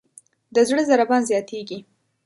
د زړه ضربان زیاتېږي.